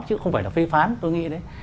chứ không phải là phê phán tôi nghĩ